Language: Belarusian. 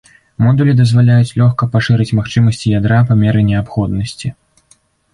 Модулі дазваляюць лёгка пашырыць магчымасці ядра па меры неабходнасці.